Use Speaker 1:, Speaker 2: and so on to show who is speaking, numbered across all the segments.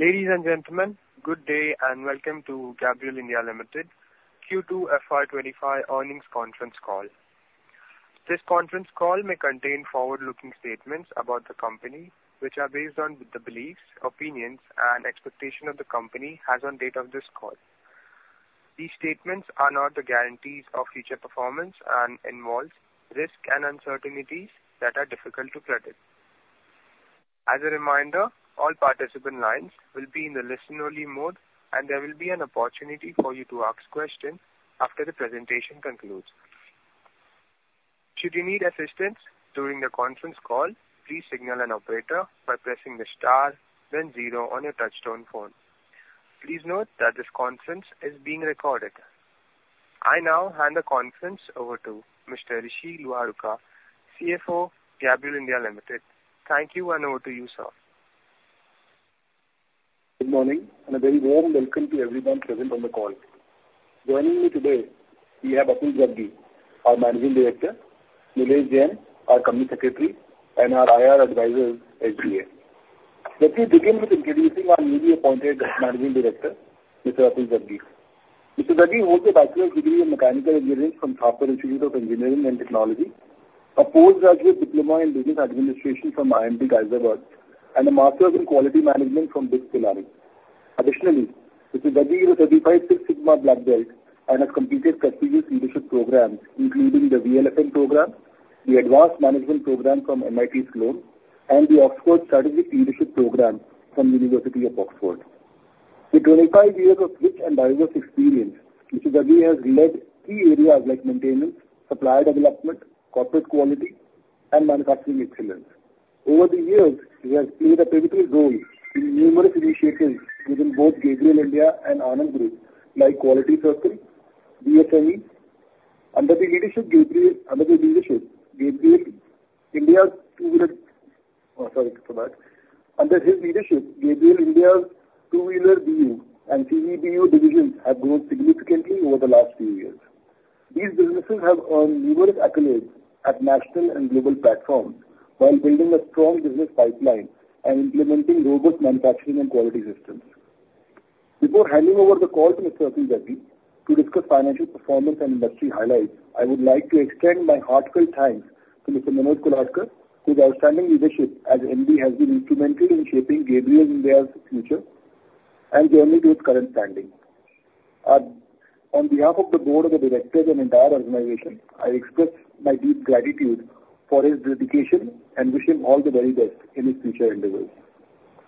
Speaker 1: Ladies and gentlemen, good day and welcome to Gabriel India Limited Q2 FY25 Earnings Conference Call. This conference call may contain forward-looking statements about the company, which are based on the beliefs, opinions, and expectations the company has on the date of this call. These statements are not the guarantees of future performance and involve risks and uncertainties that are difficult to predict. As a reminder, all participant lines will be in the listen-only mode, and there will be an opportunity for you to ask questions after the presentation concludes. Should you need assistance during the conference call, please signal an operator by pressing the star, then zero on your touch-tone phone. Please note that this conference is being recorded. I now hand the conference over to Mr. Rishi Luharuka, CFO, Gabriel India Limited. Thank you, and over to you, sir.
Speaker 2: Good morning, and a very warm welcome to everyone present on the call. Joining me today, we have Atul Jaggi, our Managing Director, Nilesh Jain, our Company Secretary, and our IR Advisors, SGA. Let me begin with introducing our newly appointed Managing Director, Mr. Atul Jaggi. Mr. Jaggi holds a Bachelor's Degree in Mechanical Engineering from Thapar Institute of Engineering and Technology, a postgraduate Diploma in Business Administration from IMT Ghaziabad, and a Master's in Quality Management from BITS Pilani. Additionally, Mr. Jaggi is a Certified Six Sigma Black Belt and has completed prestigious leadership programs, including the VLFM program, the Advanced Management Program from MIT Sloan, and the Oxford Strategic Leadership Program from the University of Oxford. With 25 years of rich and diverse experience, Mr. Jaggi has led key areas like maintenance, supplier development, corporate quality, and manufacturing excellence. Over the years, he has played a pivotal role in numerous initiatives within both Gabriel India and Anand Group, like Quality Circle, VSME. Under his leadership, Gabriel India's two-wheeler BU and CV BU divisions have grown significantly over the last few years. These businesses have earned numerous accolades at national and global platforms while building a strong business pipeline and implementing robust manufacturing and quality systems. Before handing over the call to Mr. Atul Jaggi to discuss financial performance and industry highlights, I would like to extend my heartfelt thanks to Mr. Manoj Kolhatkar, whose outstanding leadership as MD has been instrumental in shaping Gabriel India's future and journey to its current standing. On behalf of the Board of Directors and the entire organization, I express my deep gratitude for his dedication and wish him all the very best in his future endeavors.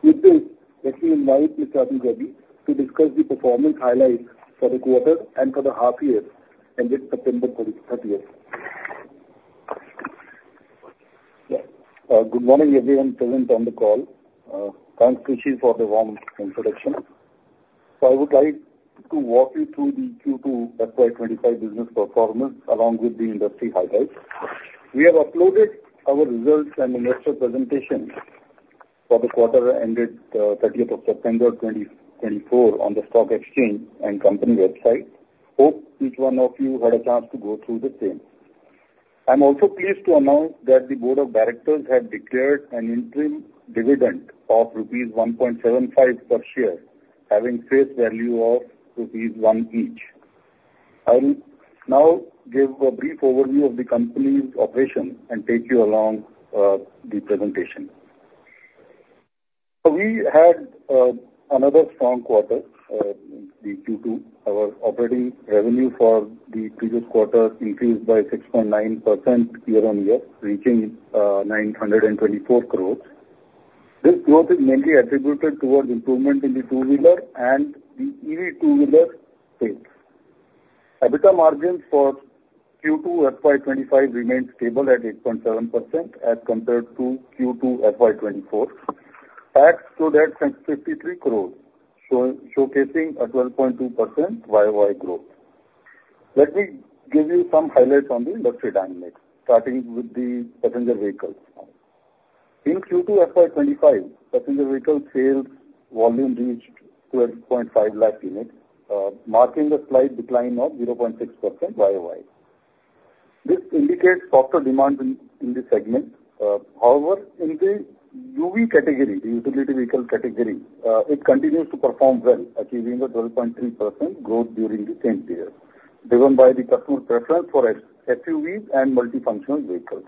Speaker 2: With this, let me invite Mr. Atul Jaggi to discuss the performance highlights for the quarter and for the half-year ended September 30th.
Speaker 3: Good morning, everyone present on the call. Thanks, Rishi, for the warm introduction. So I would like to walk you through the Q2 FY25 business performance along with the industry highlights. We have uploaded our results and investor presentations for the quarter ended 30th of September 2024 on the stock exchange and company website. Hope each one of you had a chance to go through the same. I'm also pleased to announce that the Board of Directors has declared an interim dividend of rupees 1.75 per share, having face value of rupees 1 each. I'll now give a brief overview of the company's operations and take you along the presentation. So we had another strong quarter, Q2. Our operating revenue for the previous quarter increased by 6.9% year-on-year, reaching 924 crores. This growth is mainly attributed towards improvement in the two-wheeler and the EV two-wheeler sales. EBITDA margins for Q2 FY25 remained stable at 8.7% as compared to Q2 FY24. PAT showed at 53 crores, showcasing a 12.2% YOY growth. Let me give you some highlights on the industry dynamics, starting with the passenger vehicles. In Q2 FY25, passenger vehicle sales volume reached 12.5 lakh units, marking a slight decline of 0.6% YOY. This indicates softer demand in the segment. However, in the UV category, the utility vehicle category, it continues to perform well, achieving a 12.3% growth during the same period, driven by the customer preference for SUVs and multifunctional vehicles.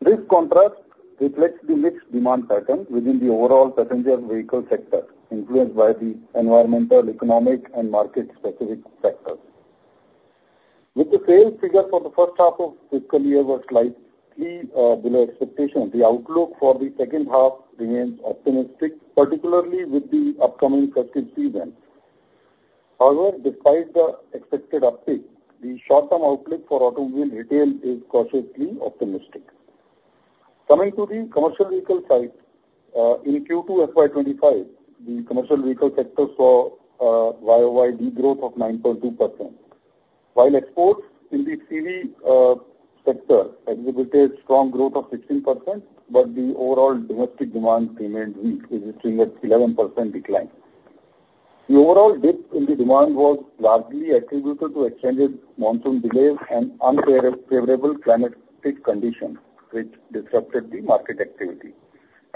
Speaker 3: This contrast reflects the mixed demand pattern within the overall passenger vehicle sector, influenced by the environmental, economic, and market-specific factors. With the sales figures for the first half of fiscal year slightly below expectation, the outlook for the second half remains optimistic, particularly with the upcoming festive season. However, despite the expected uptick, the short-term outlook for automobile retail is cautiously optimistic. Coming to the commercial vehicle side, in Q2 FY25, the commercial vehicle sector saw YOY growth of 9.2%, while exports in the CV sector exhibited strong growth of 16%, but the overall domestic demand remained weak, resulting in an 11% decline. The overall dip in the demand was largely attributed to extended monsoon delays and unfavorable climatic conditions, which disrupted the market activity.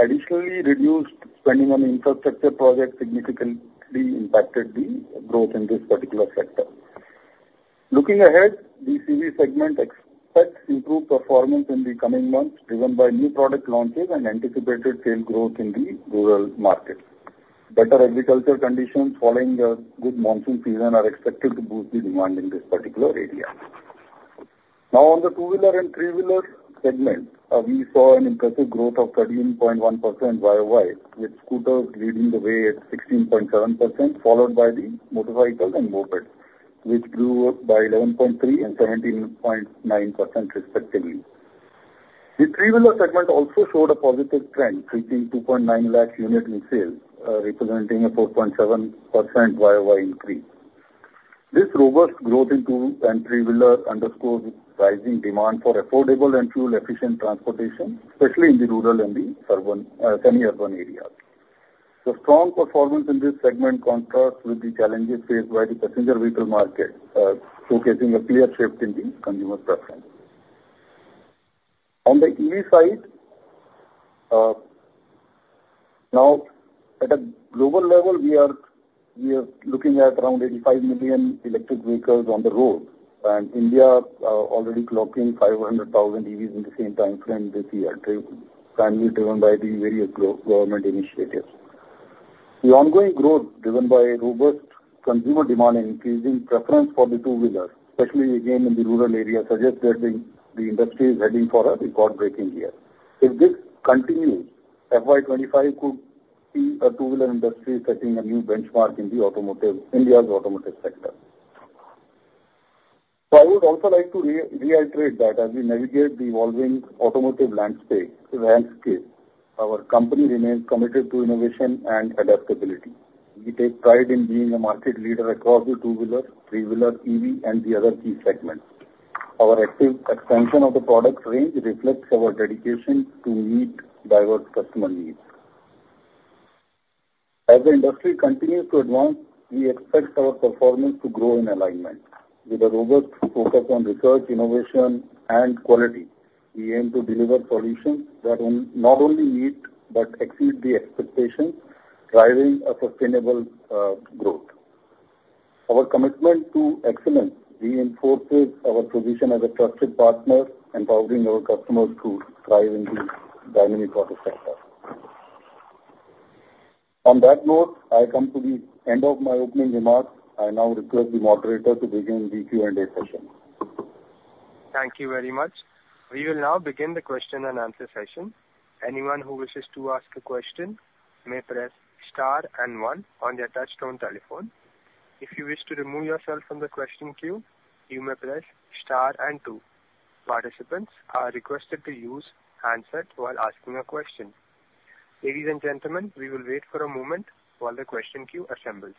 Speaker 3: Additionally, reduced spending on infrastructure projects significantly impacted the growth in this particular sector. Looking ahead, the CV segment expects improved performance in the coming months, driven by new product launches and anticipated sales growth in the rural markets. Better agriculture conditions following a good monsoon season are expected to boost the demand in this particular area. Now, on the two-wheeler and three-wheeler segment, we saw an impressive growth of 13.1% YOY, with scooters leading the way at 16.7%, followed by the motorcycles and mopeds, which grew by 11.3% and 17.9%, respectively. The three-wheeler segment also showed a positive trend, reaching 2.9 lakh units in sales, representing a 4.7% YOY increase. This robust growth in two and three-wheelers underscores rising demand for affordable and fuel-efficient transportation, especially in the rural and the semi-urban areas. The strong performance in this segment contrasts with the challenges faced by the passenger vehicle market, showcasing a clear shift in the consumer preference. On the EV side, now, at a global level, we are looking at around 85 million electric vehicles on the road, and India is already clocking 500,000 EVs in the same timeframe this year, primarily driven by the various government initiatives. The ongoing growth, driven by robust consumer demand and increasing preference for the two-wheelers, especially again in the rural area, suggests that the industry is heading for a record-breaking year. If this continues, FY25 could see a two-wheeler industry setting a new benchmark in India's automotive sector. So I would also like to reiterate that as we navigate the evolving automotive landscape, our company remains committed to innovation and adaptability. We take pride in being a market leader across the two-wheeler, three-wheeler, EV, and the other key segments. Our active expansion of the product range reflects our dedication to meet diverse customer needs. As the industry continues to advance, we expect our performance to grow in alignment. With a robust focus on research, innovation, and quality, we aim to deliver solutions that not only meet but exceed the expectations, driving a sustainable growth. Our commitment to excellence reinforces our position as a trusted partner, empowering our customers to thrive in the dynamic auto sector. On that note, I come to the end of my opening remarks. I now request the moderator to begin the Q&A session.
Speaker 1: Thank you very much. We will now begin the question and answer session. Anyone who wishes to ask a question may press star and one on their touch-tone telephone. If you wish to remove yourself from the question queue, you may press star and two. Participants are requested to use handset while asking a question. Ladies and gentlemen, we will wait for a moment while the question queue assembles.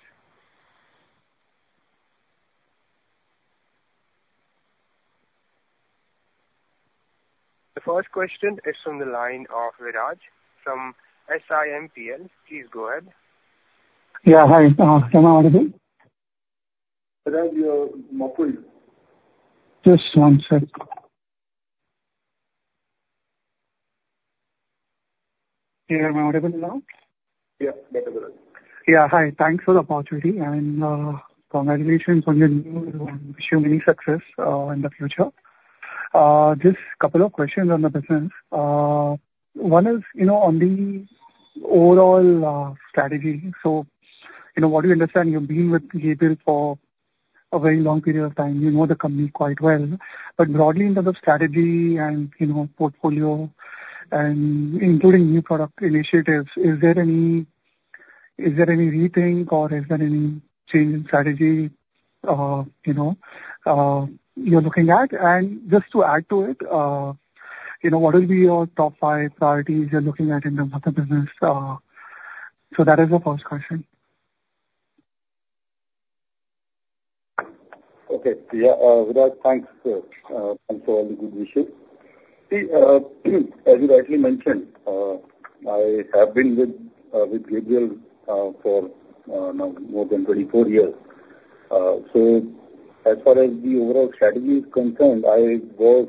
Speaker 1: The first question is from the line of Viraj from SiMPL. Please go ahead.
Speaker 4: Yeah, hi. Can I hear you?
Speaker 1: Viraj, you're muffled.
Speaker 4: Just one sec. Can you hear my audio now?
Speaker 1: Yeah, better.
Speaker 4: Yeah, hi. Thanks for the opportunity. And congratulations on your new. I wish you many success in the future. Just a couple of questions on the business. One is on the overall strategy. So what we understand, you've been with Gabriel for a very long period of time. You know the company quite well. But broadly in terms of strategy and portfolio, and including new product initiatives, is there any rethink or is there any change in strategy you're looking at? And just to add to it, what would be your top five priorities you're looking at in terms of the business? So that is the first question.
Speaker 3: Okay. Yeah, Viraj, thanks for all the good wishes. See, as you rightly mentioned, I have been with Gabriel for now more than 24 years. So as far as the overall strategy is concerned, I was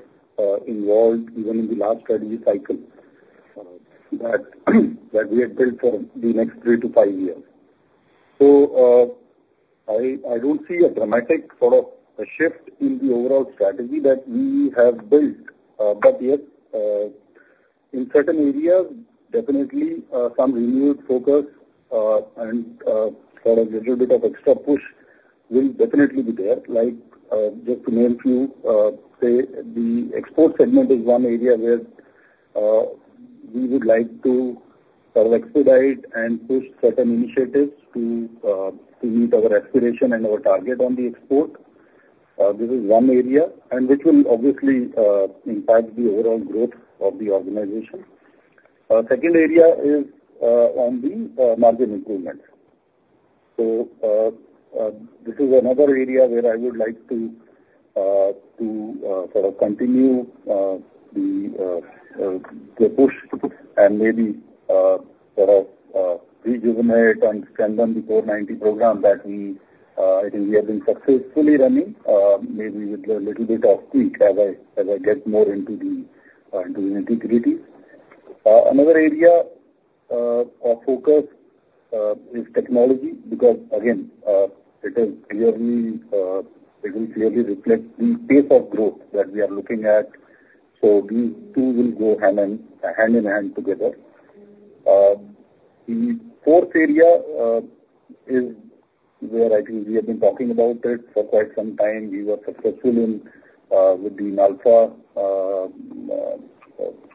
Speaker 3: involved even in the last strategy cycle that we had built for the next three to five years. So I don't see a dramatic sort of shift in the overall strategy that we have built. But yes, in certain areas, definitely some renewed focus and sort of a little bit of extra push will definitely be there. Like just to name a few, say, the export segment is one area where we would like to sort of expedite and push certain initiatives to meet our aspiration and our target on the export. This is one area, and which will obviously impact the overall growth of the organization. Second area is on the margin improvement. So this is another area where I would like to sort of continue the push and maybe sort of rejuvenate and strengthen the CORE 90 program that we have been successfully running, maybe with a little bit of tweak as I get more into the nitty-gritty. Another area of focus is technology because, again, it will clearly reflect the pace of growth that we are looking at. So these two will go hand in hand together. The fourth area is where I think we have been talking about it for quite some time. We were successful with the Inalpha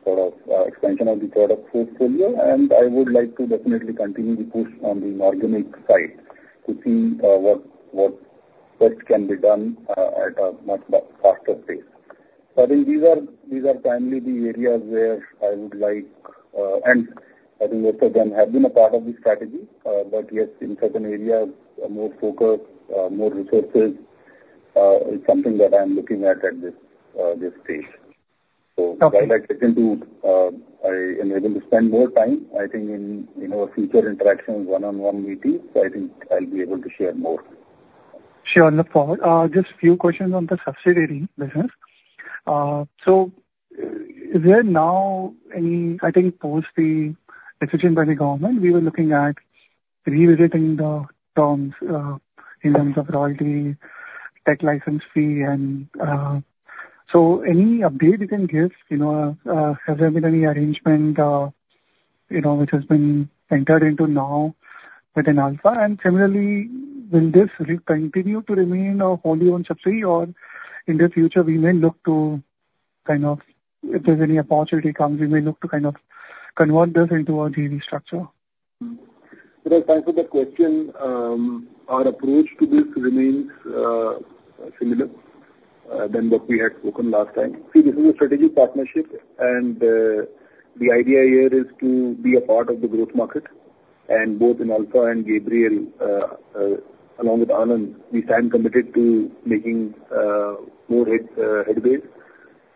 Speaker 3: sort of expansion of the product portfolio, and I would like to definitely continue the push on the margin side. To see what can be done at a much faster pace. So I think these are primarily the areas where I would like, and I think most of them have been a part of the strategy. But yes, in certain areas, more focus, more resources is something that I'm looking at at this stage. So I'd like to be able to spend more time, I think, in our future interactions, one-on-one meetings. So I think I'll be able to share more.
Speaker 4: Sure. Just a few questions on the subsidiary business. So is there now any, I think, post the decision by the government, we were looking at revisiting the terms in terms of royalty, tech license fee? And so any update you can give? Has there been any arrangement which has been entered into now within Inalpha? And similarly, will this continue to remain a wholly owned subsidiary, or in the future, we may look to kind of, if there's any opportunity comes, we may look to kind of convert this into a JV structure?
Speaker 3: Viraj, thanks for that question. Our approach to this remains similar than what we had spoken last time. See, this is a strategic partnership, and the idea here is to be a part of the growth market, and both in Inalpha and Gabriel, along with Anand, we stand committed to making more headway.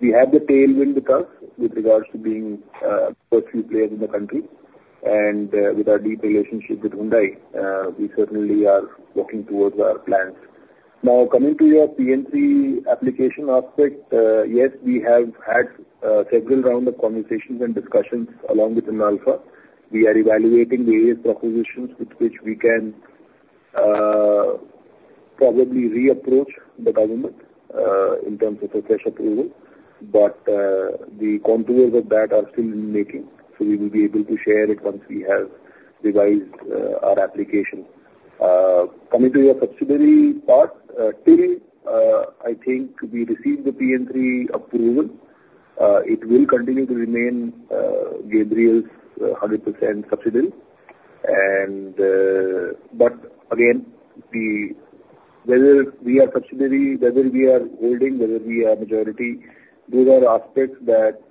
Speaker 3: We have the tailwind with us with regards to being first few players in the country, and with our deep relationship with Hyundai, we certainly are working towards our plans. Now, coming to your PN3 application aspect, yes, we have had several rounds of conversations and discussions along within Inalpha. We are evaluating various propositions with which we can probably re-approach the government in terms of a fresh approval, but the contours of that are still in the making, so we will be able to share it once we have revised our application. Coming to your subsidiary part, till I think we receive the P&C approval, it will continue to remain Gabriel's 100% subsidiary. But again, whether we are subsidiary, whether we are holding, whether we are majority, those are aspects that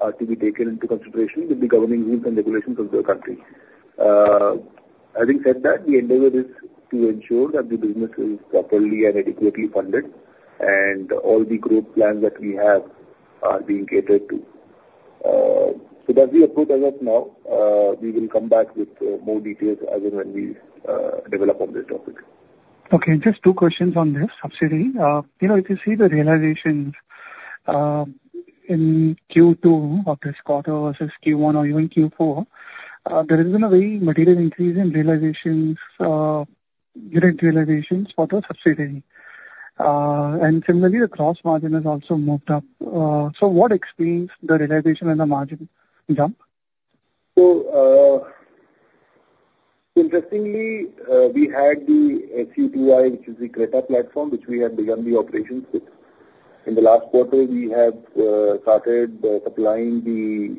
Speaker 3: are to be taken into consideration with the governing rules and regulations of the country. Having said that, the endeavor is to ensure that the business is properly and adequately funded, and all the growth plans that we have are being catered to. That's the approach as of now. We will come back with more details as and when we develop on this topic.
Speaker 4: Okay. Just two questions on this subsidiary. If you see the realizations in Q2 of this quarter versus Q1 or even Q4, there has been a very material increase in unit realizations for the subsidiary, and similarly, the gross margin has also moved up, so what explains the realization and the margin jump?
Speaker 3: Interestingly, we had the SU2i, which is the Creta platform, which we have begun the operations with. In the last quarter, we have started supplying the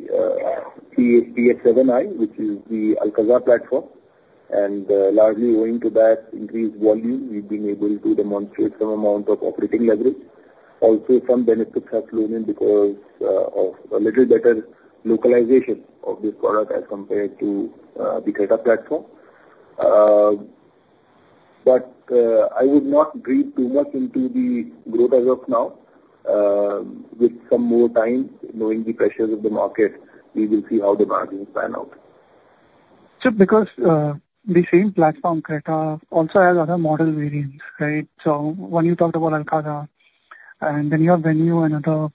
Speaker 3: PX7I, which is the Alcazar platform. And largely owing to that increased volume, we've been able to demonstrate some amount of operating leverage. Also, some benefits have flown in because of a little better localization of this product as compared to the Creta platform. But I would not breathe too much into the growth as of now. With some more time, knowing the pressures of the market, we will see how the margins pan out.
Speaker 4: So because the same platform, Creta, also has other model variants, right? So when you talked about Alcazar, and then you have Venue and other.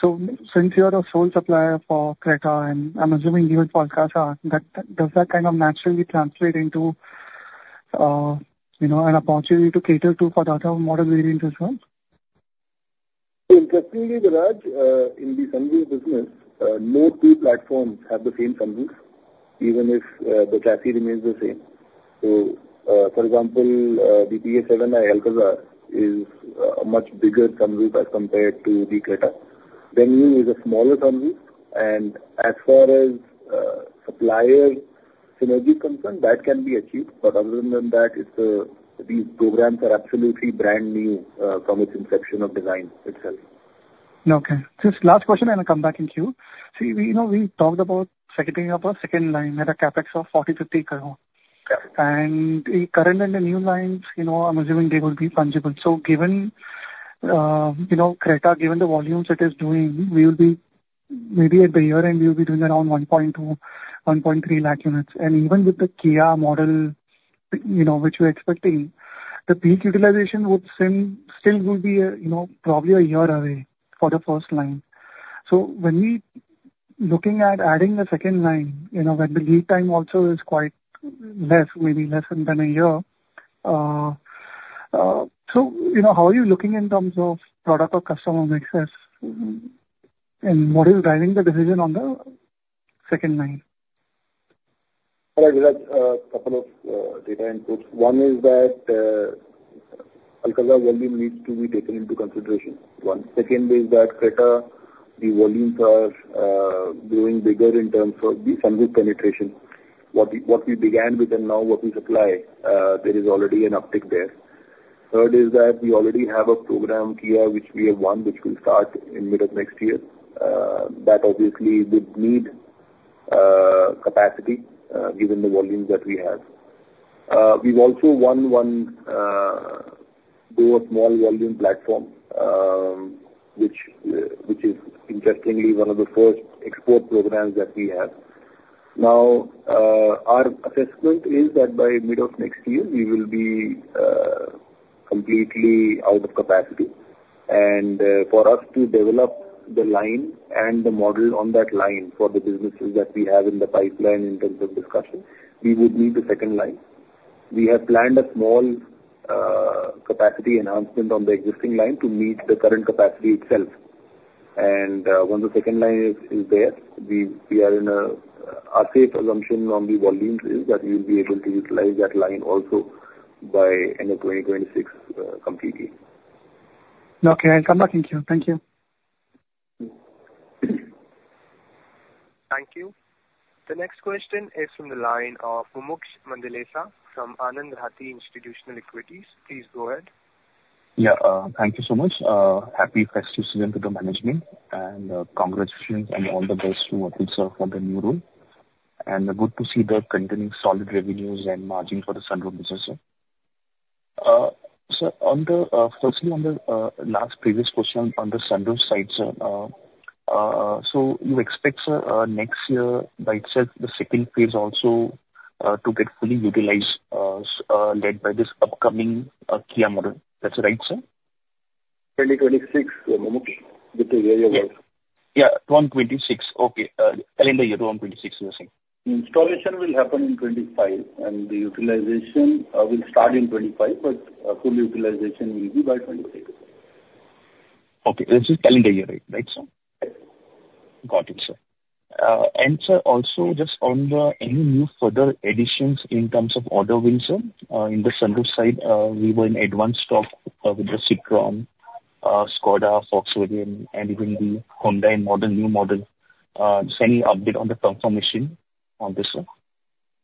Speaker 4: So since you are a sole supplier for Creta, and I'm assuming you have Alcazar, does that kind of naturally translate into an opportunity to cater to for the other model variants as well?
Speaker 3: Interestingly, Viraj, in the sunroof business, no two platforms have the same sunroof, even if the chassis remains the same. So for example, the PX7I Alcazar is a much bigger sunroof as compared to the Creta. Venue is a smaller sunroof. And as far as supplier synergy is concerned, that can be achieved. But other than that, these programs are absolutely brand new from its inception of design itself.
Speaker 4: Okay. Just last question, and I'll come back in queue. See, we talked about secondary or second line at a CapEx of 40-50 crore. And the current and the new lines, I'm assuming they will be fungible. So given Creta, given the volumes it is doing, we will be maybe at the year end, we will be doing around 1.2-1.3 lakh units. And even with the Kia model, which we're expecting, the peak utilization would still be probably a year away for the first line. So when we are looking at adding the second line, when the lead time also is quite less, maybe less than a year, so how are you looking in terms of product or customer mix? And what is driving the decision on the second line?
Speaker 3: All right. A couple of data inputs. One is that Alcazar volume needs to be taken into consideration. One. Second is that Creta, the volumes are growing bigger in terms of the sunroof penetration. What we began with and now what we supply, there is already an uptick there. Third is that we already have a program here, which we have won, which will start in mid of next year. That obviously would need capacity given the volumes that we have. We've also won one small volume platform, which is interestingly one of the first export programs that we have. Now, our assessment is that by mid of next year, we will be completely out of capacity. And for us to develop the line and the model on that line for the businesses that we have in the pipeline in terms of discussion, we would need the second line. We have planned a small capacity enhancement on the existing line to meet the current capacity itself, and when the second line is there, we are in a safe assumption on the volumes is that we will be able to utilize that line also by end of 2026 completely.
Speaker 4: Okay. I'll come back in queue. Thank you.
Speaker 1: Thank you. The next question is from the line of Mumuksh Mandlesha from Anand Rathi Institutional Equities. Please go ahead.
Speaker 5: Yeah. Thank you so much. Happy first year to the management, and congratulations and all the best to what you serve for the new role, and good to see the continuing solid revenues and margin for the sunroof business, sir, so firstly, on the last previous question on the sunroof side, sir, so you expect next year by itself, the second phase also to get fully utilized led by this upcoming Kia model. That's right, sir?
Speaker 3: 2026, Mumuksh. This is where you're going.
Speaker 2: Yeah. 2026. Okay. Calendar year 2026 is the same.
Speaker 3: The installation will happen in 2025, and the utilization will start in 2025, but full utilization will be by 2026.
Speaker 5: Okay. This is calendar year, right? Right, sir?
Speaker 3: Yes.
Speaker 5: Got it, sir. And sir, also just on any new further additions in terms of order wins, sir, in the sunroof side, we were in advanced talks with the Citroën, Skoda, Volkswagen, and even the Hyundai modern new model. Just any update on the traction on this, sir?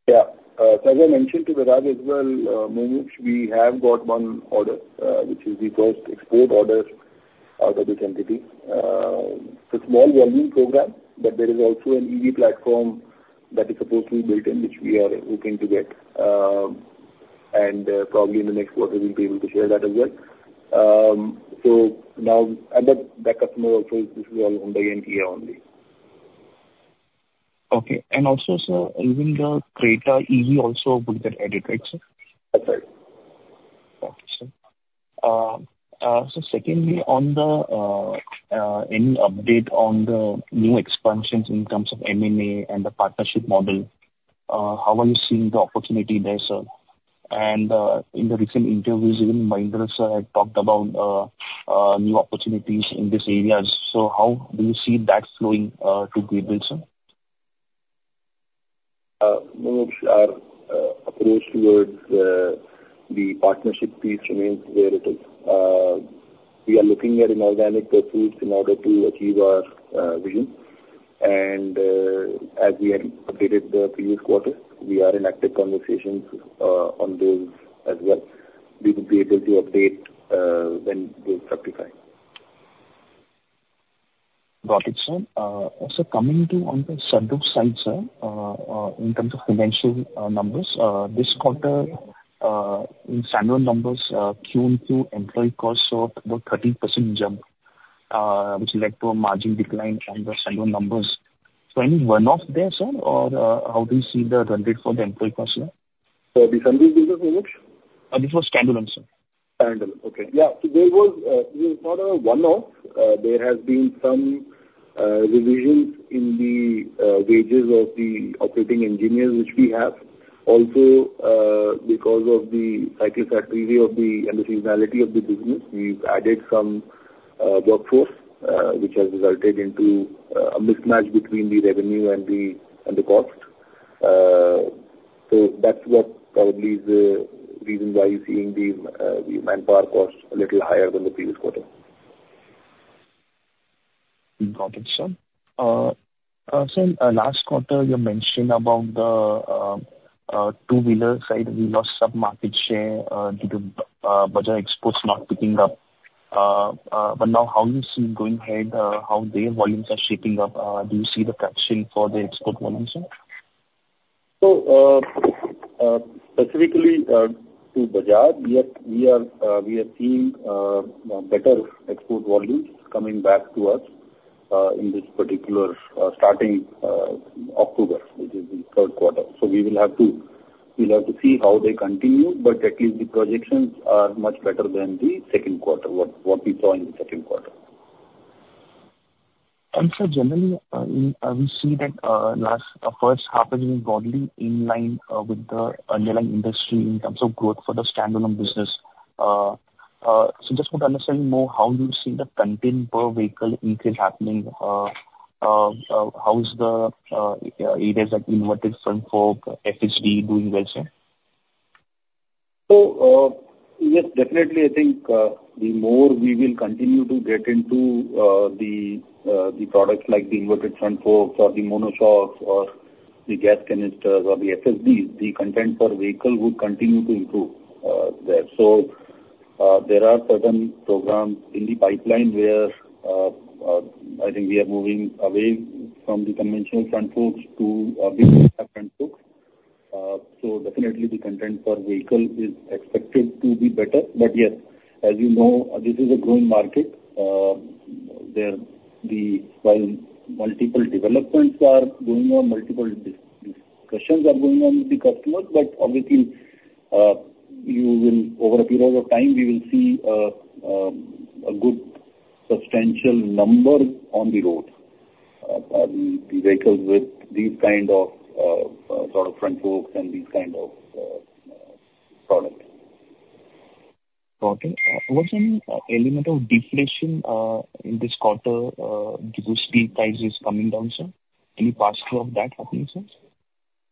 Speaker 3: Yeah. So as I mentioned to Viraj as well, Mumuksh, we have got one order, which is the first export order out of this entity. It's a small volume program, but there is also an EV platform that is supposed to be built in, which we are hoping to get. And probably in the next quarter, we'll be able to share that as well. So now, but that customer also, this is all Hyundai and Kia only.
Speaker 5: Okay. And also, sir, even the Creta EV also would get added, right, sir?
Speaker 3: That's right.
Speaker 5: Okay, sir. So secondly, on any update on the new expansions in terms of M&A and the partnership model, how are you seeing the opportunity there, sir? And in the recent interviews, even Mahindra, sir, had talked about new opportunities in these areas. So how do you see that flowing to be built, sir?
Speaker 3: Mumuksh, our approach towards the partnership piece remains where it is. We are looking at inorganic forays in order to achieve our vision. And as we had updated the previous quarter, we are in active conversations on those as well. We will be able to update when those fructify.
Speaker 5: Got it, sir. Also, coming to on the sunroof side, sir, in terms of financial numbers, this quarter, in sunroof numbers, Q1 to Q2, employee costs saw about 30% jump, which led to a margin decline on the sunroof numbers. So any one-off there, sir, or how do you see the run rate for the employee costs here?
Speaker 3: For the sunroof business, Mumuksh?
Speaker 5: This was standalone, sir.
Speaker 3: Standalone. Okay. Yeah. So there was, it was not a one-off. There has been some revisions in the wages of the operating engineers, which we have. Also, because of the cyclicality of the business and the seasonality of the business, we've added some workforce, which has resulted into a mismatch between the revenue and the cost. So that's what probably is the reason why you're seeing the manpower cost a little higher than the previous quarter.
Speaker 5: Got it, sir. So last quarter, you mentioned about the two-wheeler side, we lost sub-market share due to Bajaj Auto not picking up. But now, how do you see going ahead, how their volumes are shaping up? Do you see the traction for the export volumes, sir?
Speaker 3: So specifically to Bajaj, we are seeing better export volumes coming back to us in this particular starting October, which is the third quarter. So we will have to see how they continue, but at least the projections are much better than the second quarter, what we saw in the second quarter.
Speaker 5: Sir, generally, we see that last first half has been broadly in line with the underlying industry in terms of growth for the standalone business. So just want to understand more, how do you see the content per vehicle increase happening? How is the areas like inverted front forks, FSD doing well, sir?
Speaker 3: So yes, definitely, I think the more we will continue to get into the products like the inverted front forks or the monoshocks or the gas canisters or the FSDs, the content per vehicle would continue to improve there. So there are certain programs in the pipeline where I think we are moving away from the conventional front forks to a bigger front fork. So definitely, the content per vehicle is expected to be better. But yes, as you know, this is a growing market. While multiple developments are going on, multiple discussions are going on with the customers, but obviously, over a period of time, we will see a good substantial number on the road with these kind of sort of front forks and these kind of products.
Speaker 5: Okay. Was there any element of deflation in this quarter due to steel prices coming down, sir? Any pass-through of that happening, sir?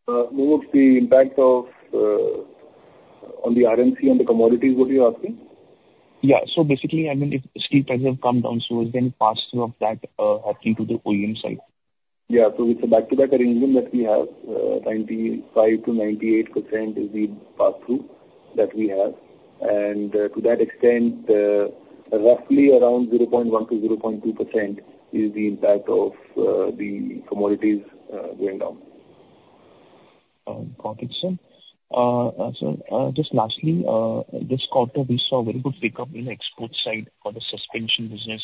Speaker 3: What was the impact on the RMC on the commodities? What are you asking?
Speaker 5: Yeah. So basically, I mean, if steel prices have come down, so is there any prospect of that happening to the OEM side?
Speaker 3: Yeah. So it's a back-to-back arrangement that we have. 95%-98% is the pass-through that we have. And to that extent, roughly around 0.1%-0.2% is the impact of the commodities going down.
Speaker 5: Got it, sir. So just lastly, this quarter, we saw a very good pickup in the export side for the suspension business.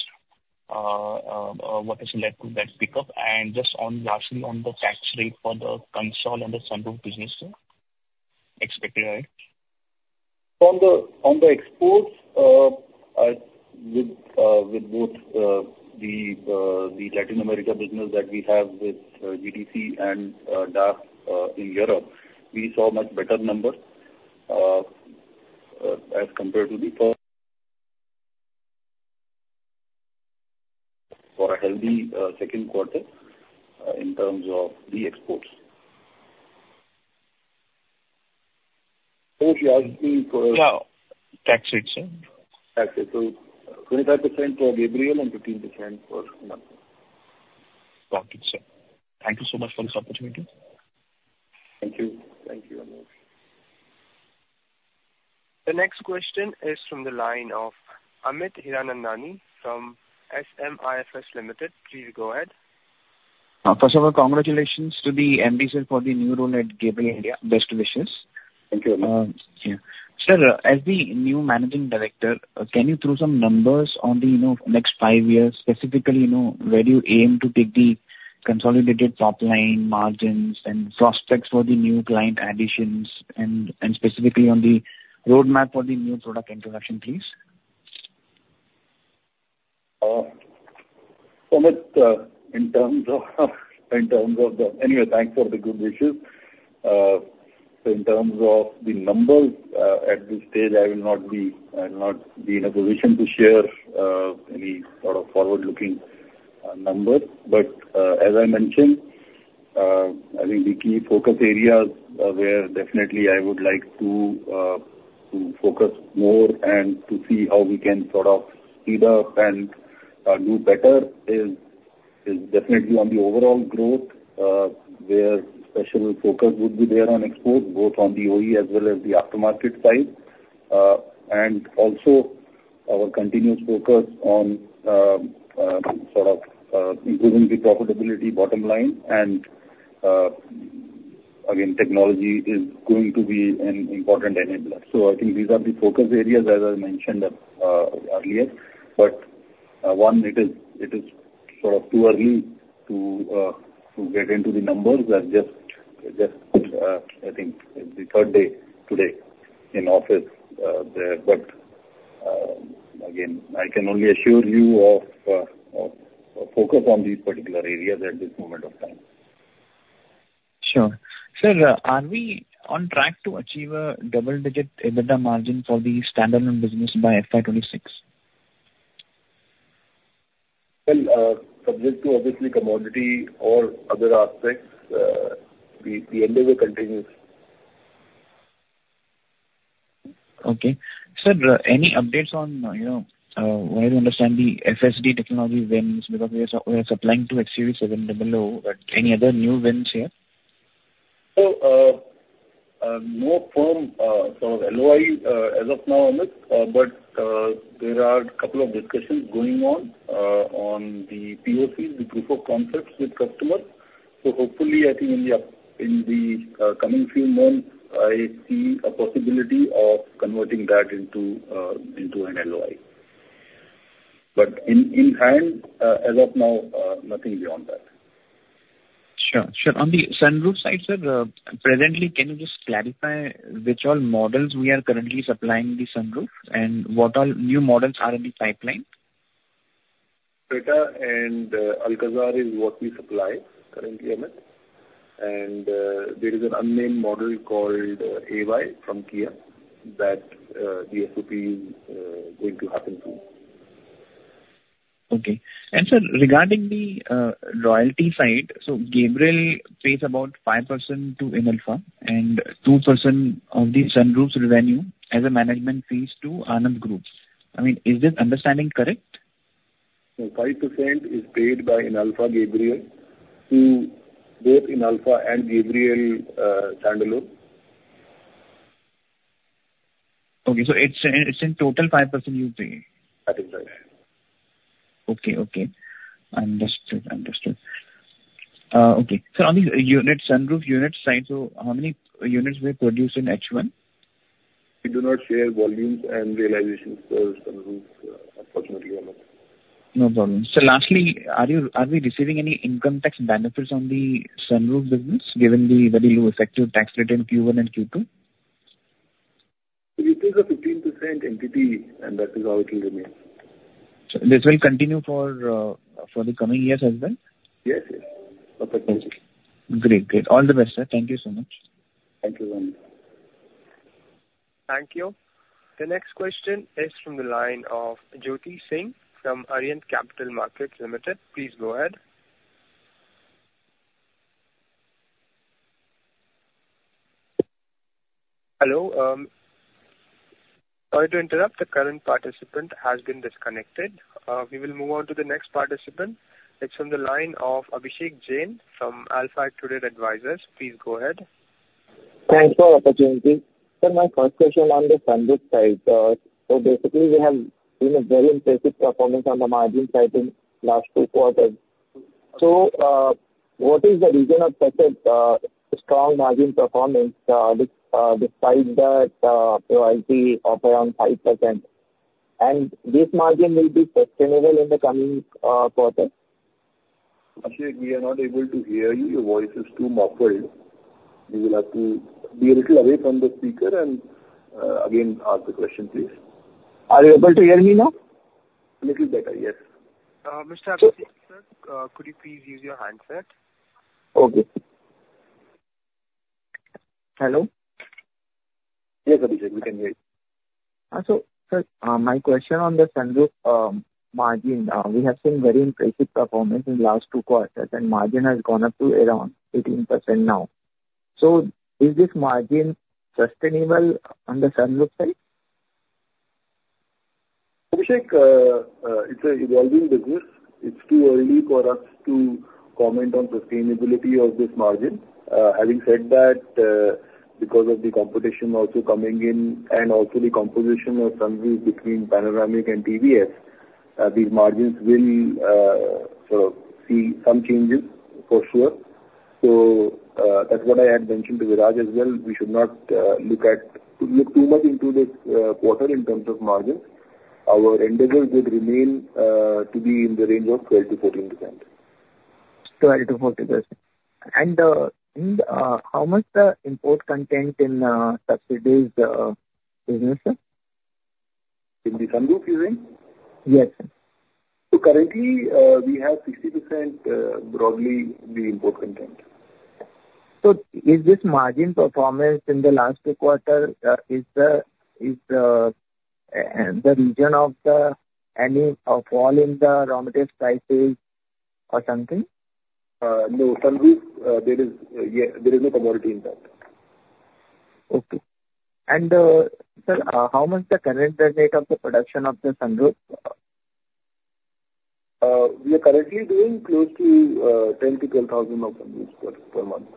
Speaker 5: What has led to that pickup? And just lastly, on the tax rate for the console and the sunroof business, sir? Expected higher?
Speaker 3: On the exports, with both the Latin America business that we have with GDC and DAF in Europe, we saw much better numbers as compared to the first for a healthy second quarter in terms of the exports. So what you asked me for.
Speaker 5: Yeah. Tax rate, sir?
Speaker 3: Tax rate. So 25% for Gabriel and 15% for Mumuksh.
Speaker 5: Got it, sir. Thank you so much for this opportunity.
Speaker 3: Thank you.
Speaker 5: Thank you very much.
Speaker 1: The next question is from the line of Amit Hiranandani from SMIFS Limited. Please go ahead.
Speaker 6: First of all, congratulations to the MD sir for the new role at Gabriel India. Best wishes.
Speaker 3: Thank you very much.
Speaker 6: Sir, as the new managing director, can you throw some numbers on the next five years, specifically where you aim to take the consolidated top line margins and prospects for the new client additions, and specifically on the roadmap for the new product introduction, please?
Speaker 3: Amit, in terms of the, anyway, thanks for the good wishes. So in terms of the numbers, at this stage, I will not be in a position to share any sort of forward-looking numbers. But as I mentioned, I think the key focus areas where definitely I would like to focus more and to see how we can sort of speed up and do better is definitely on the overall growth, where special focus would be there on exports, both on the OE as well as the aftermarket side. And also our continuous focus on sort of improving the profitability bottom line. And again, technology is going to be an important enabler. So I think these are the focus areas, as I mentioned earlier. But one, it is sort of too early to get into the numbers. I just, I think, it's the third day today in office there. But again, I can only assure you of focus on these particular areas at this moment of time.
Speaker 6: Sure. Sir, are we on track to achieve a double-digit EBITDA margin for the standalone business by FY26?
Speaker 3: Subject to obviously commodity or other aspects, the endeavor continues.
Speaker 6: Okay. Sir, any updates on, what I understand, the FSD technology wins because we are supplying to XUV700, but any other new wins here?
Speaker 3: So no firm sort of LOI as of now, Amit. But there are a couple of discussions going on on the POCs, the proof of concepts with customers. So hopefully, I think in the coming few months, I see a possibility of converting that into an LOI. But in hand, as of now, nothing beyond that.
Speaker 6: Sure. Sure. On the sunroof side, sir, presently, can you just clarify which all models we are currently supplying the sunroof and what all new models are in the pipeline?
Speaker 3: Creta and Alcazar is what we supply currently, Amit, and there is an unnamed model called AY from Kia that the SOP is going to happen too.
Speaker 6: Okay. And sir, regarding the royalty side, so Gabriel pays about 5% to Inalpha and 2% of the sunroof's revenue as a management fee to Anand Group. I mean, is this understanding correct?
Speaker 3: 5% is paid by Inalpha Gabriel to both Inalpha and Gabriel standalone.
Speaker 6: Okay. So it's in total 5% you pay?
Speaker 3: That is right.
Speaker 6: Okay. Understood. So on the sunroof unit side, how many units were produced in H1?
Speaker 3: We do not share volumes and realizations for sunroofs, unfortunately, Amit.
Speaker 6: No problem. So lastly, are we receiving any income tax benefits on the sunroof business given the very low effective tax rate in Q1 and Q2?
Speaker 3: So this is a 15% entity, and that is how it will remain.
Speaker 6: So this will continue for the coming years as well?
Speaker 3: Yes. Yes.
Speaker 6: Perfect. Thank you.
Speaker 3: Great.
Speaker 6: Great. All the best, sir. Thank you so much.
Speaker 3: Thank you very much.
Speaker 1: Thank you. The next question is from the line of Jyoti Singh from Aryan Capital Markets Limited. Please go ahead. Hello. Sorry to interrupt. The current participant has been disconnected. We will move on to the next participant. It's from the line of Abhishek Jain from AlfAccurate Advisors. Please go ahead.
Speaker 7: Thanks for the opportunity. Sir, my first question on the sunroof side. So basically, we have seen a very impressive performance on the margin side in the last two quarters. So what is the reason of such a strong margin performance despite the royalty of around 5%? And this margin will be sustainable in the coming quarter?
Speaker 3: Abhishek, we are not able to hear you. Your voice is too muffled. You will have to be a little away from the speaker and again, ask the question, please.
Speaker 7: Are you able to hear me now?
Speaker 3: A little better, yes.
Speaker 1: Mr. Abhishek, sir, could you please use your handset?
Speaker 7: Okay. Hello?
Speaker 3: Yes, Abhishek. We can hear you.
Speaker 7: So, sir, my question on the sunroof margin, we have seen very impressive performance in the last two quarters, and margin has gone up to around 18% now. So is this margin sustainable on the sunroof side?
Speaker 3: Abhishek, it's an evolving business. It's too early for us to comment on sustainability of this margin. Having said that, because of the competition also coming in and also the composition of sunroof between Panoramic and T&S, these margins will sort of see some changes for sure. So that's what I had mentioned to Viraj as well. We should not look too much into this quarter in terms of margins. Our endeavor would remain to be in the range of 12%-14%.
Speaker 7: 12%-14%. And how much is the import content in subsidized business, sir?
Speaker 3: In the sunroof, you mean?
Speaker 7: Yes, sir.
Speaker 3: Currently, we have 60% broadly the import content.
Speaker 7: So, is this margin performance in the last two quarters the result of any fall in the raw material prices or something?
Speaker 3: No. Sunroof, there is no commodity in that.
Speaker 7: Okay, and sir, how much is the current rate of the production of the sunroof?
Speaker 3: We are currently doing close to 10-12 thousand of sunroofs per month.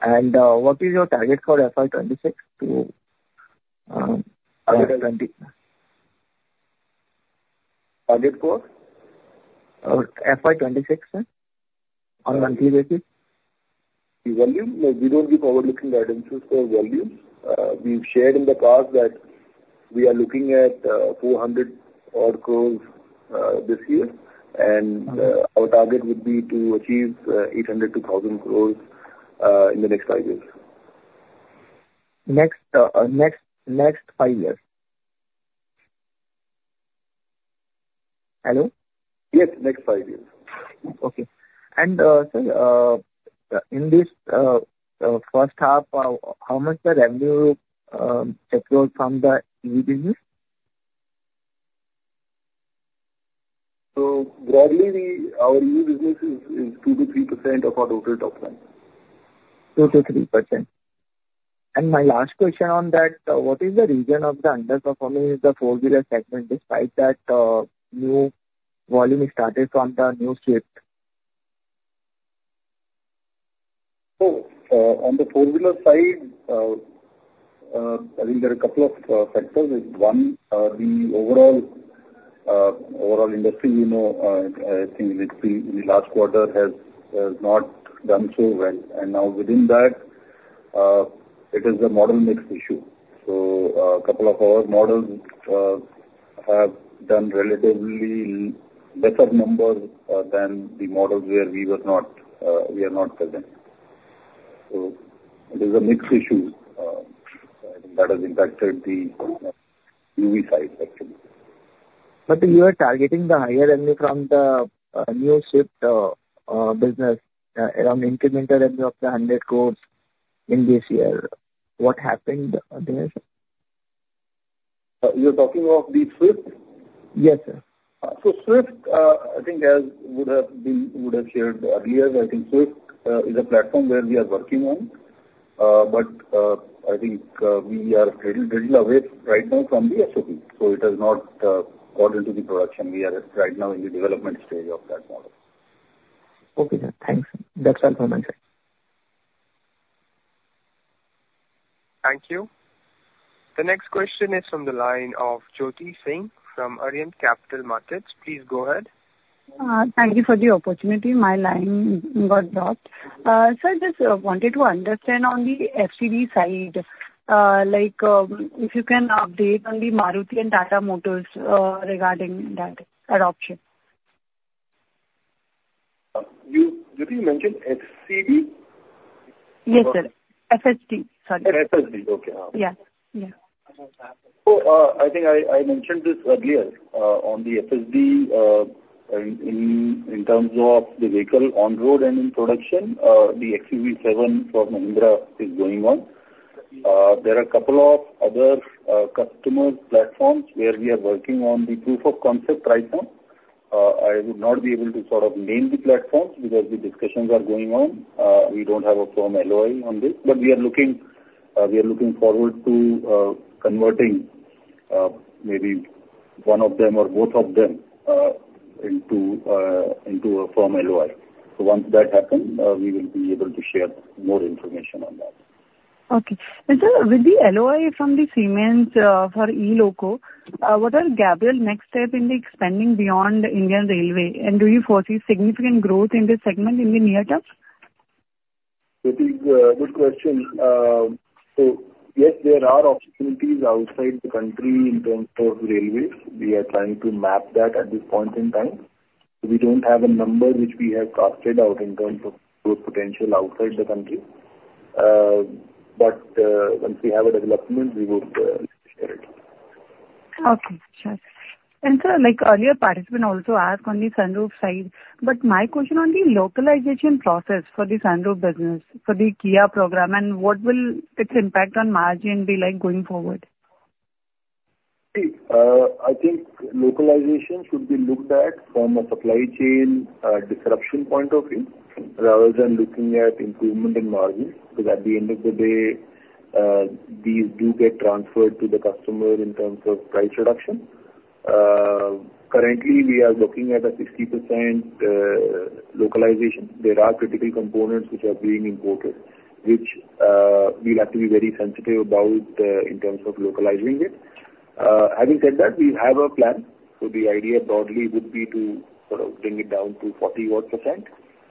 Speaker 7: What is your target for FY26 to FY20?
Speaker 3: Target for?
Speaker 7: FY26, sir, on a monthly basis?
Speaker 3: We don't give forward-looking guidance for volumes. We've shared in the past that we are looking at 400-odd crores this year, and our target would be to achieve 800-1,000 crores in the next five years.
Speaker 7: Next five years? Hello?
Speaker 3: Yes. Next five years.
Speaker 7: Okay. And sir, in this first half, how much is the revenue approaching from the EV business?
Speaker 3: Broadly, our EV business is 2%-3% of our total top line.
Speaker 7: 2%-3%. And my last question on that, what is the reason of the underperforming in the four-wheeler segment despite that new volume started from the new Swift?
Speaker 3: On the four-wheeler side, I think there are a couple of factors. One, the overall industry, I think in the last quarter, has not done so well. Now within that, it is a model mix issue. A couple of our models have done relatively better numbers than the models where we are not present. It is a mixed issue. I think that has impacted the EV side, actually.
Speaker 7: You are targeting the higher revenue from the new Swift business around incremental revenue of the 100 crores in this year. What happened there, sir?
Speaker 3: You're talking of the Swift?
Speaker 7: Yes, sir.
Speaker 3: Swift, I think, as would have shared earlier, I think Swift is a platform where we are working on. But I think we are a little away right now from the SOP. So it has not got into the production. We are right now in the development stage of that model.
Speaker 7: Okay. Thanks. That's all for my side.
Speaker 1: Thank you. The next question is from the line of Jyoti Singh from Arihant Capital Markets. Please go ahead.
Speaker 8: Thank you for the opportunity. My line got dropped. Sir, I just wanted to understand on the FCB side, if you can update on the Maruti and Tata Motors regarding that adoption?
Speaker 3: Did you mention FCB?
Speaker 8: Yes, sir. FSD. Sorry.
Speaker 3: FSD. Okay.
Speaker 8: Yes. Yeah.
Speaker 3: So I think I mentioned this earlier on the FSD in terms of the vehicle on road and in production, the XUV700 for Mahindra is going on. There are a couple of other customer platforms where we are working on the proof of concept right now. I would not be able to sort of name the platforms because the discussions are going on. We don't have a firm LOI on this. But we are looking forward to converting maybe one of them or both of them into a firm LOI. So once that happens, we will be able to share more information on that.
Speaker 8: Okay. Sir, with the LOI from Siemens for E-Loco, what are Gabriel's next steps in the expansion beyond Indian Railways? Do you foresee significant growth in this segment in the near term?
Speaker 3: That is a good question. So yes, there are opportunities outside the country in terms of railways. We are trying to map that at this point in time. We don't have a number which we have cast out in terms of potential outside the country. But once we have a development, we would share it.
Speaker 8: Okay. Sure. And sir, earlier participants also asked on the sunroof side. But my question on the localization process for the sunroof business, for the Kia program, and what will its impact on margin be like going forward?
Speaker 3: I think localization should be looked at from a supply chain disruption point of view rather than looking at improvement in margins because at the end of the day, these do get transferred to the customer in terms of price reduction. Currently, we are looking at a 60% localization. There are critical components which are being imported, which we have to be very sensitive about in terms of localizing it. Having said that, we have a plan. So the idea broadly would be to sort of bring it down to 40-odd%,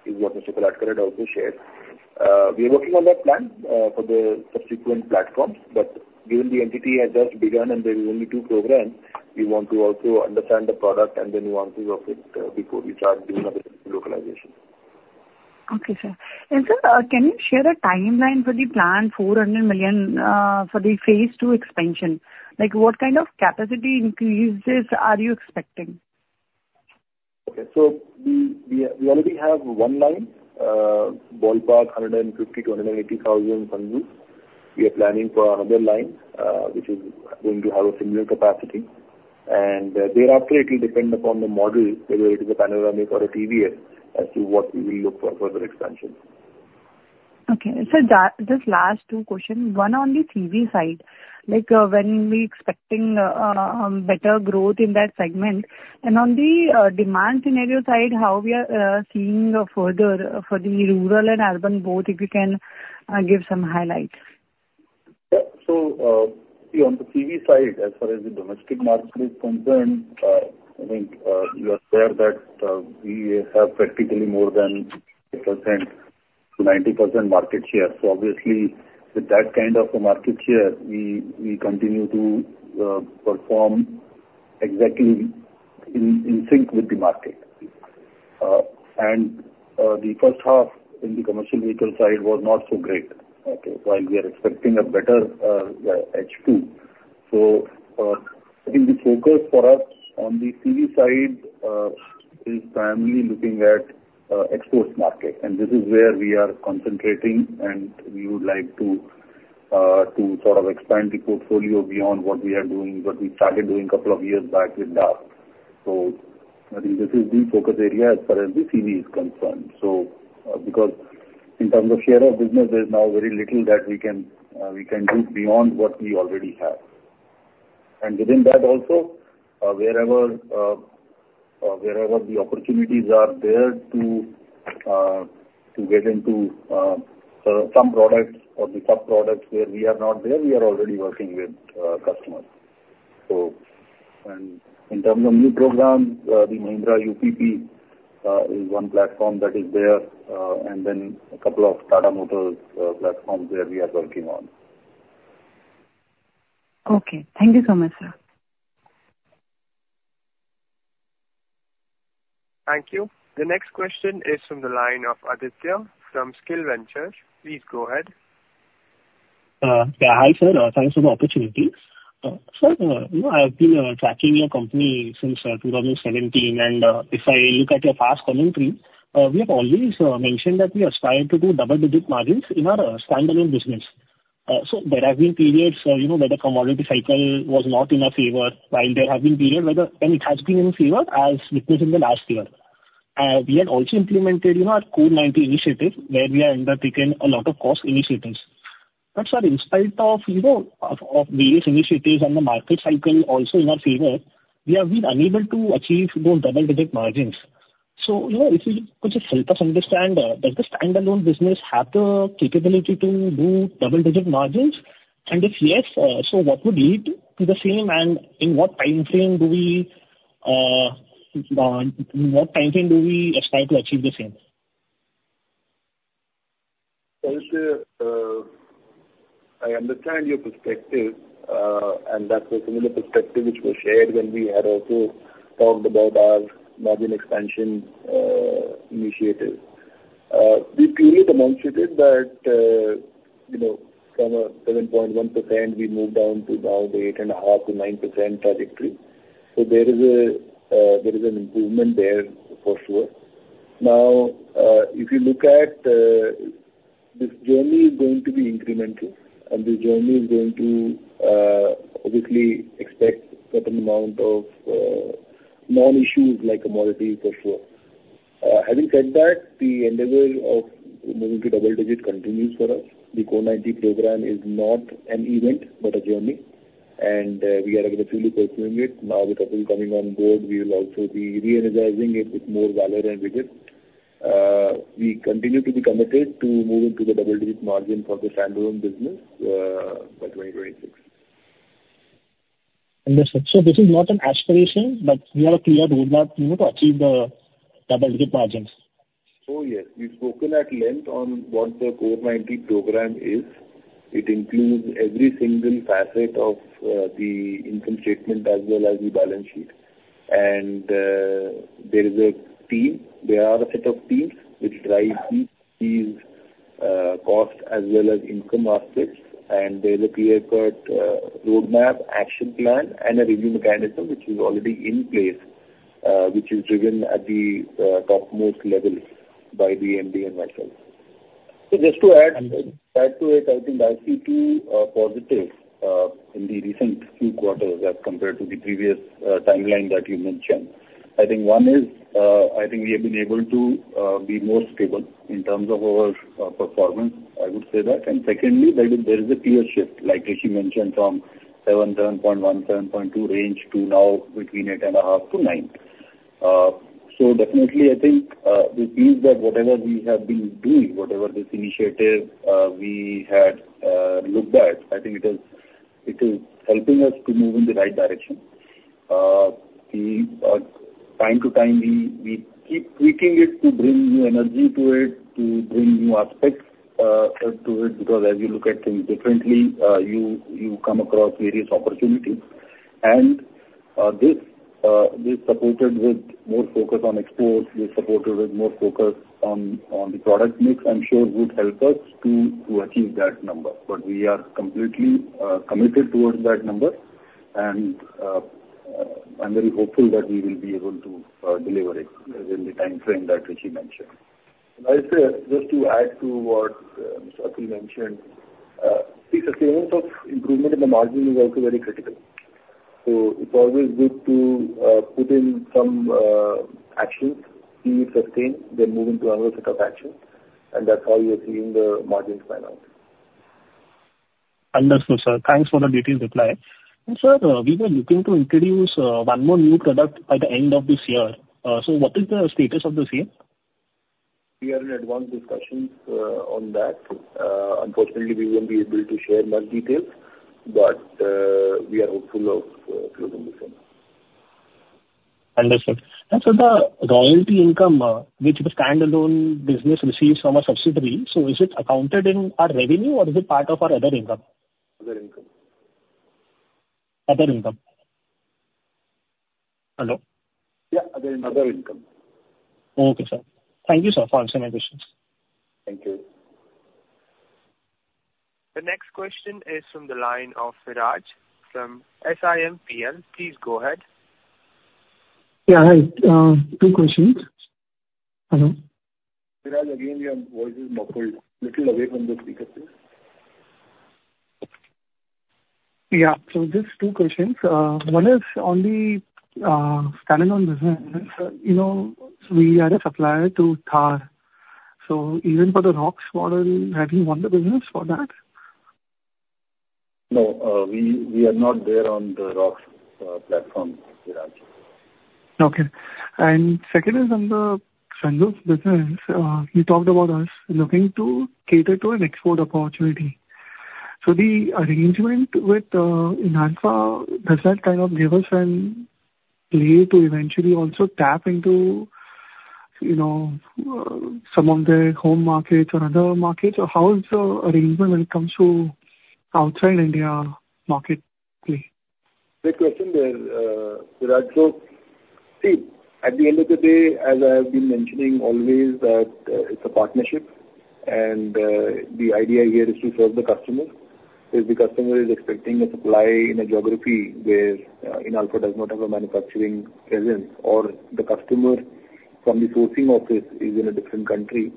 Speaker 3: is what Mr. Kolhatkar had also shared. We are working on that plan for the subsequent platforms. But given the entity has just begun and there are only two programs, we want to also understand the product and the nuances of it before we start doing localization.
Speaker 8: Okay, sir. And sir, can you share a timeline for the plan, 400 million for the phase two expansion? What kind of capacity increases are you expecting?
Speaker 3: Okay, so we already have one line, ballpark 150,000-180,000 sunroofs. We are planning for another line, which is going to have a similar capacity, and thereafter, it will depend upon the model, whether it is a panoramic or a TVS, as to what we will look for further expansion.
Speaker 8: Okay. Sir, just last two questions. One on the 2W side, when we are expecting better growth in that segment, and on the demand scenario side, how we are seeing further for the rural and urban both, if you can give some highlights.
Speaker 3: Yeah. So on the TV side, as far as the domestic market is concerned, I think you have said that we have practically more than 90% market share. So obviously, with that kind of a market share, we continue to perform exactly in sync with the market. And the first half in the commercial vehicle side was not so great, okay, while we are expecting a better H2. So I think the focus for us on the TV side is primarily looking at the export market. And this is where we are concentrating, and we would like to sort of expand the portfolio beyond what we are doing, what we started doing a couple of years back with DAF. So I think this is the focus area as far as the TV is concerned. So because in terms of share of business, there is now very little that we can do beyond what we already have. And within that also, wherever the opportunities are there to get into some products or the sub-products where we are not there, we are already working with customers. So in terms of new programs, the Mahindra UPP is one platform that is there, and then a couple of Tata Motors platforms where we are working on.
Speaker 8: Okay. Thank you so much, sir.
Speaker 1: Thank you. The next question is from the line of Aditya from Skill Ventures. Please go ahead.
Speaker 9: Yeah. Hi, sir. Thanks for the opportunity. Sir, I have been tracking your company since 2017. And if I look at your past commentary, we have always mentioned that we aspire to do double-digit margins in our standalone business. So there have been periods where the commodity cycle was not in our favor, while there have been periods where it has been in favor as witnessed in the last year. We had also implemented our CORE 90 initiative where we had undertaken a lot of cost initiatives. But sir, in spite of various initiatives and the market cycle also in our favor, we have been unable to achieve those double-digit margins. So if you could just help us understand, does the standalone business have the capability to do double-digit margins? If yes, so what would lead to the same, and in what time frame do we aspire to achieve the same?
Speaker 3: Sir, I understand your perspective, and that's a similar perspective which was shared when we had also talked about our margin expansion initiative. We've clearly demonstrated that from a 7.1%, we moved down to now the 8.5%-9% trajectory. There is an improvement there for sure. Now, if you look at this journey, it's going to be incremental, and this journey is going to obviously expect a certain amount of non-issues like commodity for sure. Having said that, the endeavor of moving to double-digit continues for us. The CORE 90 is not an event but a journey, and we are aggressively pursuing it. Now that we're coming on board, we will also be re-energizing it with more value and width. We continue to be committed to moving to the double-digit margin for the standalone business by 2026.
Speaker 2: Understood. So this is not an aspiration, but we have a clear roadmap to achieve the double-digit margins.
Speaker 3: Yes, we've spoken at length on what the CORE 90 program is. It includes every single facet of the income statement as well as the balance sheet. And there is a team. There are a set of teams which drive these costs as well as income aspects. And there is a clear-cut roadmap, action plan, and a review mechanism which is already in place, which is driven at the topmost level by the MD and myself. So just to add to it, I think I see two positives in the recent few quarters as compared to the previous timeline that you mentioned. I think one is I think we have been able to be more stable in terms of our performance. I would say that. And secondly, there is a clear shift, like Rishi mentioned, from 7.1-7.2 range to now between 8.5-9. So definitely, I think this means that whatever we have been doing, whatever this initiative we had looked at, I think it is helping us to move in the right direction. From time to time, we keep tweaking it to bring new energy to it, to bring new aspects to it, because as you look at things differently, you come across various opportunities. And this, supported with more focus on exports, this supported with more focus on the product mix, I'm sure would help us to achieve that number. But we are completely committed towards that number, and I'm very hopeful that we will be able to deliver it within the time frame that Rishi mentioned. And I'd say, just to add to what Shakil mentioned, the sustenance of improvement in the margin is also very critical. So it's always good to put in some actions, see it sustained, then move into another set of actions. And that's how you're seeing the margins line up.
Speaker 9: Understood, sir. Thanks for the detailed reply. And sir, we were looking to introduce one more new product by the end of this year. So what is the status of the SOP?
Speaker 3: We are in advanced discussions on that. Unfortunately, we won't be able to share much detail, but we are hopeful of closing this in.
Speaker 9: Understood. Sir, the royalty income, which the standalone business receives from a subsidiary, so is it accounted in our revenue, or is it part of our other income?
Speaker 3: Other income.
Speaker 9: Other income. Hello?
Speaker 3: Yeah. Other income.
Speaker 9: Okay, sir. Thank you, sir, for answering my questions.
Speaker 3: Thank you.
Speaker 1: The next question is from the line of Viraj from SiMPL. Please go ahead.
Speaker 4: Yeah. Hi. Two questions. Hello.
Speaker 3: Viraj, again, your voice is muffled. A little away from the speaker, please.
Speaker 4: Yeah. So just two questions. One is on the standalone business. We are a supplier to Thar. So even for the Thar ROXX, have you won the business for that?
Speaker 3: No. We are not there on the ROXX platform, Viraj.
Speaker 4: Okay. And second is on the sunroof business. You talked about us looking to cater to an export opportunity. So the arrangement with Inalpha, does that kind of give us a way to eventually also tap into some of the home markets or other markets? Or how is the arrangement when it comes to outside India market play?
Speaker 3: Great question there, Viraj. So see, at the end of the day, as I have been mentioning always, it's a partnership. And the idea here is to serve the customer because the customer is expecting a supply in a geography where Inalpha does not have a manufacturing presence, or the customer from the sourcing office is in a different country.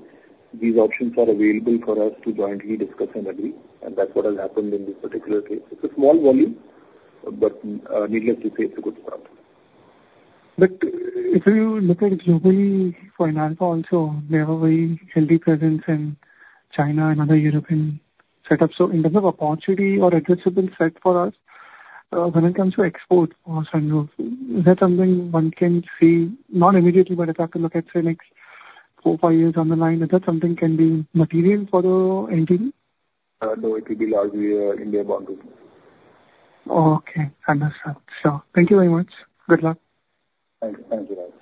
Speaker 3: These options are available for us to jointly discuss and agree. And that's what has happened in this particular case. It's a small volume, but needless to say, it's a good start.
Speaker 4: But if you look at globally, for Inalpha also, they have a very healthy presence in China and other European setups. So in terms of opportunity or addressable set for us, when it comes to exports for sunroofs, is that something one can see not immediately, but if I have to look at, say, next four, five years down the line, is that something can be material for the MD?
Speaker 3: No. It will be largely India bound.
Speaker 4: Okay. Understood. Sure. Thank you very much. Good luck.
Speaker 3: Thanks. Thanks, Viraj.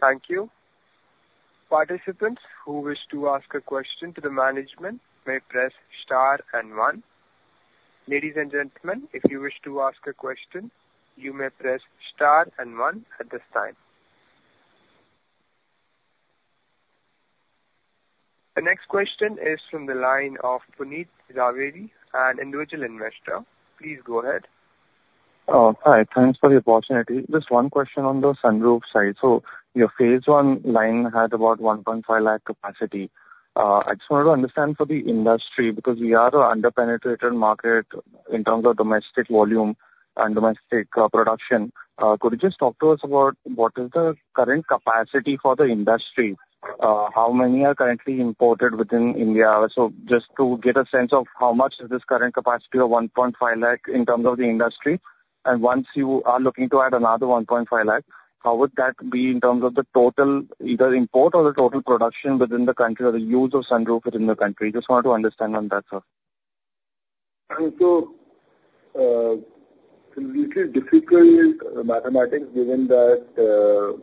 Speaker 1: Thank you. Participants who wish to ask a question to the management may press star and one. Ladies and gentlemen, if you wish to ask a question, you may press star and one at this time. The next question is from the line of Puneet Zaveri, an individual investor. Please go ahead.
Speaker 10: Oh, hi. Thanks for the opportunity. Just one question on the sunroof side. So your phase one line had about 1.5 lakh capacity. I just wanted to understand for the industry, because we are an under-penetrated market in terms of domestic volume and domestic production. Could you just talk to us about what is the current capacity for the industry? How many are currently imported within India? So just to get a sense of how much is this current capacity of 1.5 lakh in terms of the industry? And once you are looking to add another 1.5 lakh, how would that be in terms of the total either import or the total production within the country or the use of sunroof within the country? Just wanted to understand on that, sir.
Speaker 3: So it's a little difficult mathematics given that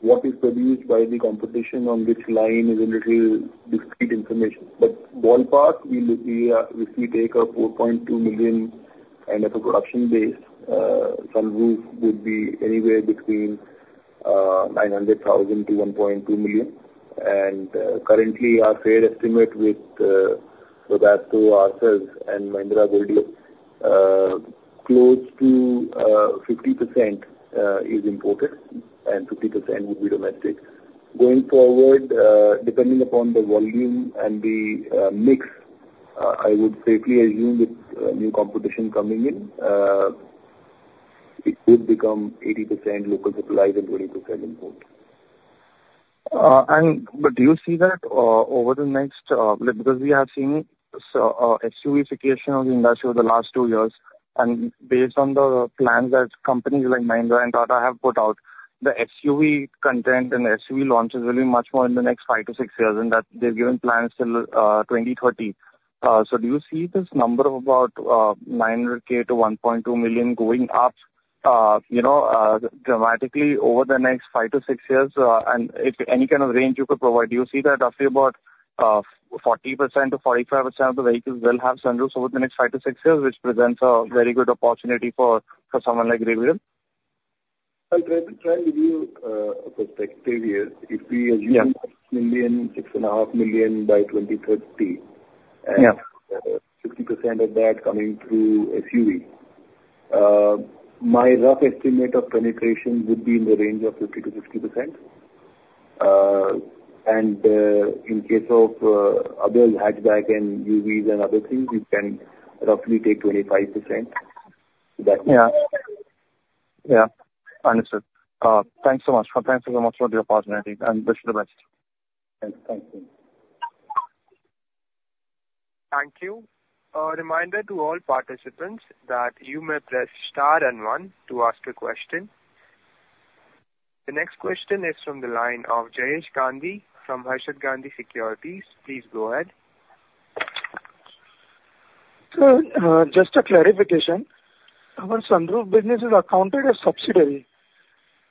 Speaker 3: what is produced by the competition on this line is a little discrete information. But ballpark, if we take a 4.2 million kind of a production base, sunroof would be anywhere between 900,000-1.2 million. And currently, our fair estimate with Skoda, Tata, Maruti, and Mahindra, close to 50% is imported, and 50% would be domestic. Going forward, depending upon the volume and the mix, I would safely assume with new competition coming in, it would become 80% local supplies and 20% import.
Speaker 10: But do you see that over the next because we have seen SUVification of the industry over the last two years? And based on the plans that companies like Mahindra and Tata have put out, the SUV content and the SUV launches will be much more in the next five to six years in that they've given plans till 2030. So do you see this number of about 900K-1.2 million going up dramatically over the next five to six years? And if any kind of range you could provide, do you see that roughly about 40%-45% of the vehicles will have sunroofs over the next five to six years, which presents a very good opportunity for someone like Gabriel?
Speaker 3: I'll try and give you a perspective here. If we assume 6.5 million by 2030 and 50% of that coming through SUV, my rough estimate of penetration would be in the range of 50%-60%. And in case of other hatchback and UVs and other things, we can roughly take 25%.
Speaker 10: Yeah. Understood. Thanks so much. Thanks so much for the opportunity and wish you the best.
Speaker 3: Thanks. Thanks.
Speaker 1: Thank you. A reminder to all participants that you may press star and one to ask a question. The next question is from the line of Jayesh Gandhi from Harshad Gandhi Securities. Please go ahead.
Speaker 11: Sir, just a clarification. Our sunroof business is accounted as subsidiary,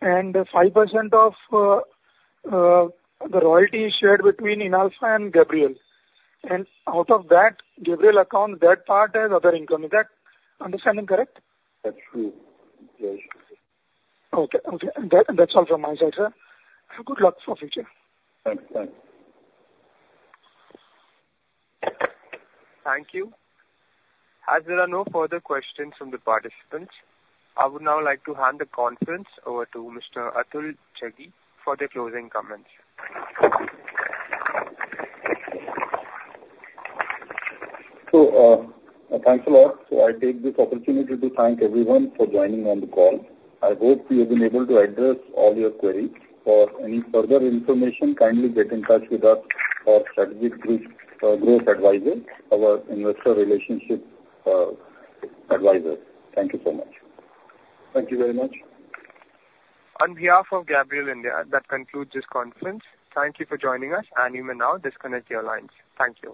Speaker 11: and 5% of the royalty is shared between Inalpha and Gabriel. And out of that Gabriel account, that part has other income. Is that understanding correct?
Speaker 3: That's true. Yes.
Speaker 11: Okay. Okay. That's all from my side, sir. Good luck for the future.
Speaker 3: Thanks. Thanks.
Speaker 1: Thank you. As there are no further questions from the participants, I would now like to hand the conference over to Mr. Atul Jaggi for the closing comments.
Speaker 3: So thanks a lot. So I take this opportunity to thank everyone for joining on the call. I hope we have been able to address all your queries. For any further information, kindly get in touch with us or Strategic Growth Advisors, our Investor Relations advisor. Thank you so much. Thank you very much.
Speaker 1: On behalf of Gabriel India, that concludes this conference. Thank you for joining us, and you may now disconnect your lines. Thank you.